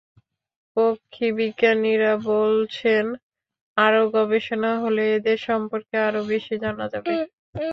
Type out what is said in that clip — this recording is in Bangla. পক্ষীবিজ্ঞানীরা বলছেন, আরও গবেষণা হলে এদের সম্পর্কে আরও বেশি জানা যাবে।